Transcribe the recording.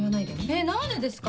えっ何でですか？